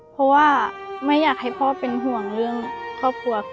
เพราะว่าไม่อยากให้พ่อเป็นห่วงเรื่องครอบครัว